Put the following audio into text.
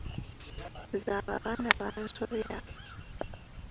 Nze abo abaana bansobera.